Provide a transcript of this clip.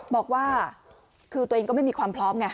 บอกว่าคือตัวเองก็ไม่มีความพร้อมไง